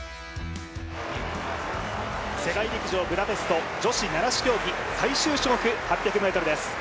世界陸上ブダペスト、女子七種競技最終種目、８００ｍです。